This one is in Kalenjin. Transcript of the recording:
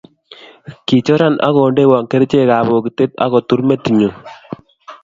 kichoran, ak kondenowon kerichekab bokitee, ak kotur metitnyu